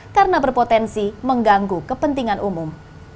karena berpotensi mengganggu kepentingan umum